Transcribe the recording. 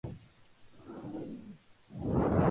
Más tarde, viajan a Brasil.